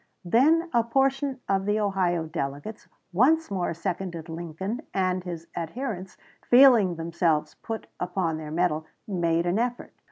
Then a portion of the Ohio delegates once more seconded Lincoln, and his adherents, feeling themselves put upon their mettle, made an effort.